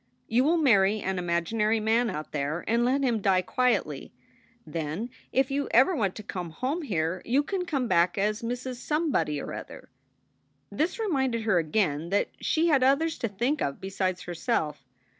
"You will marry an imaginary man out there and let him die quietly. Then, if you ever want to come home here, you can come back as Mrs. Somebody or other. " This reminded her again that she had others to think of besides herself.